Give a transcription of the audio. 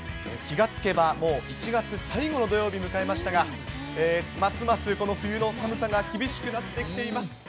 気が付けばもう１月最後の土曜日迎えましたが、ますますこの冬の寒さが厳しくなってきています。